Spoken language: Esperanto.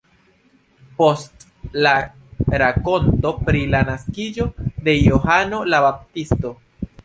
Post la rakonto pri la naskiĝo de Johano la Baptisto.